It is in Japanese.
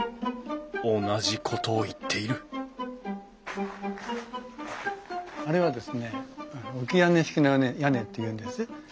同じことを言っているあれはですね置き屋根式の屋根っていうんです。